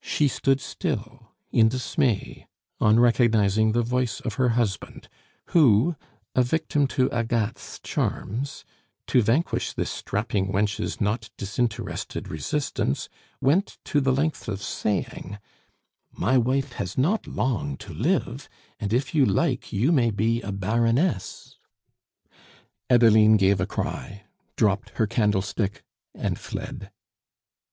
She stood still in dismay on recognizing the voice of her husband, who, a victim to Agathe's charms, to vanquish this strapping wench's not disinterested resistance, went to the length of saying: "My wife has not long to live, and if you like you may be a Baroness." Adeline gave a cry, dropped her candlestick, and fled.